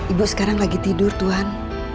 ibu sekarang lagi tidur tuhan